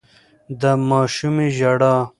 د ماشومې ژړا